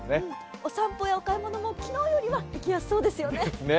お散歩やお買い物も昨日よりは行きやすそうですね。